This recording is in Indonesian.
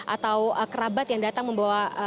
atau kerabat yang datang membawa